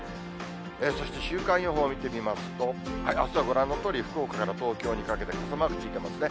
そして週間予報見てみますと、あすはご覧のとおり、福岡から東京にかけて、傘マークついてますね。